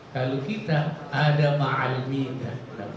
kalau kita ada ma'al mita